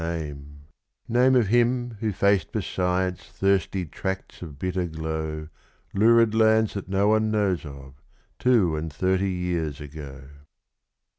Name of him who faced for science thirsty tracts of bitter glow, Lurid lands that no one knows of two and thirty years ago.